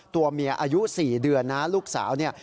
ตัวเมียอายุ๔เดือนนะลูกสาวเนี่ย